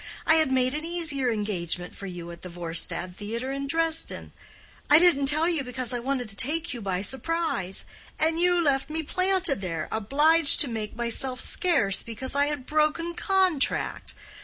I had made an easier engagement for you at the Vorstadt Theater in Dresden: I didn't tell you, because I wanted to take you by surprise. And you left me planted there—obliged to make myself scarce because I had broken contract.